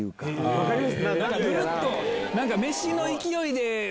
分かります。